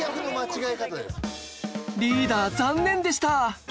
リーダー残念でした！